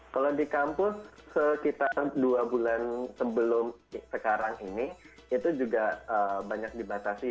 kalau di kampus sekitar dua bulan sebelum sekarang ini itu juga banyak dibatasi